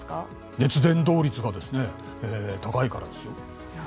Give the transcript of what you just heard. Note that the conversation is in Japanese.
熱伝導率がですね高いからですよ。